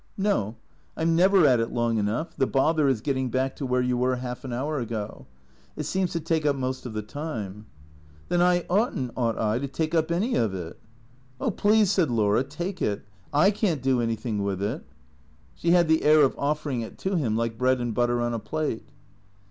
" No. I 'm never at it long enough. The bother is getting back to where you were half an hour ago. It seems to take up most of the time.'' " Then I ought n't — ought I — to take up any of it ?"" Oh, please," said Laura, " take it. / can't do anytliing with it." She had the air of offering it to him like bread and butter on a plate.